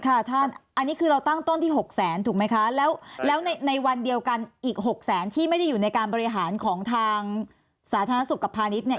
ท่านอันนี้คือเราตั้งต้นที่๖แสนถูกไหมคะแล้วแล้วในวันเดียวกันอีกหกแสนที่ไม่ได้อยู่ในการบริหารของทางสาธารณสุขกับพาณิชย์เนี่ย